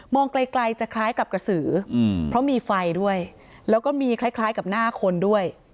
ไกลไกลจะคล้ายกับกระสือเพราะมีไฟด้วยแล้วก็มีคล้ายคล้ายกับหน้าคนด้วย